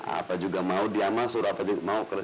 apa juga mau dia mah suruh apa juga mau